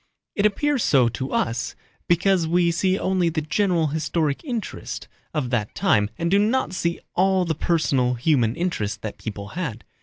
It appears so to us because we see only the general historic interest of that time and do not see all the personal human interests that people had.